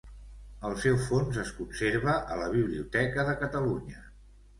El seu fons es conserva a la Biblioteca de Catalunya.